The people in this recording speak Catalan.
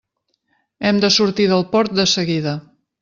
Hem de sortir del port de seguida.